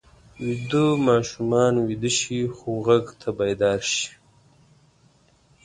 ویده ماشومان ویده شي خو غږ ته بیدار شي